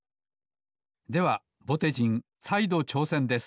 ではぼてじんさいどちょうせんです